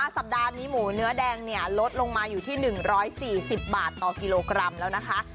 สัปดาห์นี้หมูเนื้อแดงเนี่ยลดลงมาอยู่ที่๑๔๐บาทต่อกิโลกรัมแล้วนะคะ